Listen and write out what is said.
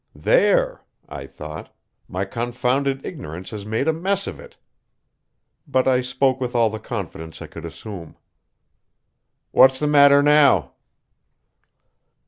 "There!" I thought; "my confounded ignorance has made a mess of it." But I spoke with all the confidence I could assume: "What's the matter, now?"